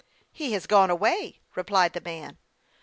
He has gone away," replied the man.